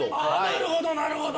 なるほどなるほど。